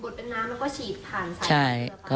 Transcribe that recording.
บดเป็นน้ำแล้วก็ฉีดผ่านสายน้ำเกลือไป